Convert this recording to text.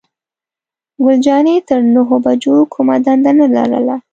ګل جانې تر نهو بجو کومه دنده نه لرله.